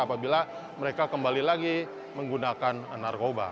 apabila mereka kembali lagi menggunakan narkoba